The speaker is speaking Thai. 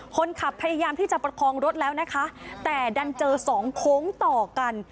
พยายามที่จะประคองรถแล้วนะคะแต่ดันเจอสองโค้งต่อกัน